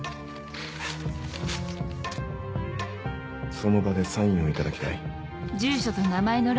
その場でサインを頂きたい。